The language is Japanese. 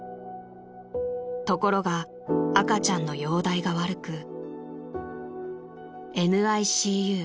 ［ところが赤ちゃんの容体が悪くＮＩＣＵ